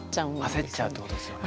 焦っちゃうってことですよね。